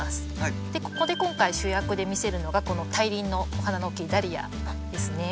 ここで今回主役で見せるのがこの大輪のお花の大きいダリアですね。